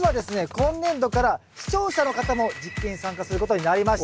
今年度から視聴者の方も実験に参加することになりました。